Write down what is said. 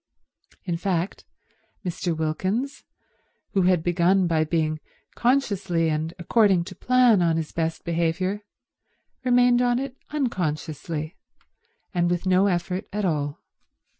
In fact Mr. Wilkins, who had begun by being consciously and according to plan on his best behaviour, remained on it unconsciously, and with no effort at all.